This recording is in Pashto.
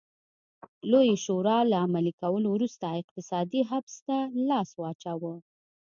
لویې شورا له عملي کولو وروسته اقتصادي حبس ته لاس واچاوه.